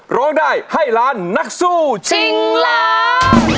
ร้องได้ให้ล้านนักสู้ชิงล้าน